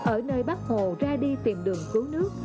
ở nơi bắc hồ ra đi tìm đường cứu nước